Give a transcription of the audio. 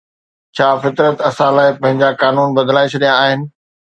ڇا فطرت اسان لاءِ پنهنجا قانون بدلائي ڇڏيا آهن؟